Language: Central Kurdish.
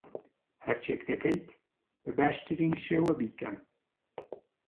هەرچییەک دەکەیت، بە باشترین شێوە بیکە.